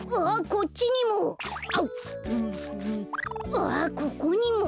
あっここにも。